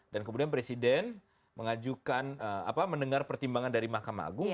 dan kemudian presiden mendengar pertimbangan dari mahkamah agung